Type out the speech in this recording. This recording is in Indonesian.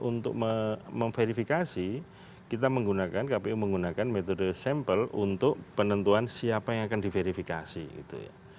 untuk memverifikasi kita menggunakan kpu menggunakan metode sampel untuk penentuan siapa yang akan diverifikasi gitu ya